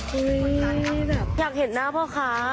แบบอยากเห็นหน้าพ่อค้า